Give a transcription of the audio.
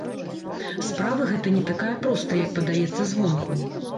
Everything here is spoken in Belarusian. Справа гэта не такая простая, як падаецца звонку.